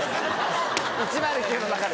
１０９の中で。